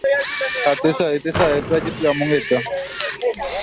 ha tesaysaýpe ajepy'amongeta